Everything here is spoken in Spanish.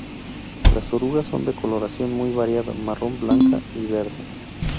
Las orugas son de coloración muy variada, marrón, blanca y verde.